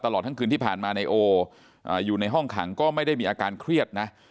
ตลอดทั้งคืนที่ผ่านมานายโออยู่ในห้องขังก็ไม่ได้มีอาการเครียดนะ